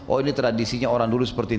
oh ini tradisinya orang dulu seperti ini